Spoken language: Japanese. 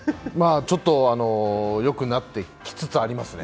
ちょっとよくなりつつありますね。